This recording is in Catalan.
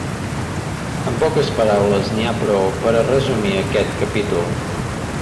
Amb poques paraules n'hi ha prou per a resumir aquest capítol.